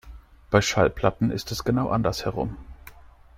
Bei Schallplatten ist es genau andersherum.